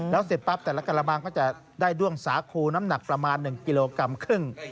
แล้วเสร็จปั๊บแต่ละกระบังก็จะได้ด้วงสาคูน้ำหนักประมาณ๑กิโลกรัมครึ่ง